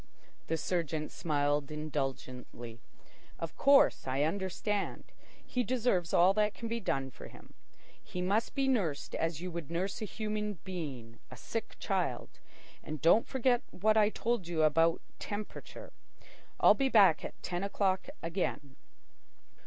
The surgeon smiled indulgently. "Of course I understand. He deserves all that can be done for him. He must be nursed as you would nurse a human being, a sick child. And don't forget what I told you about temperature. I'll be back at ten o'clock again."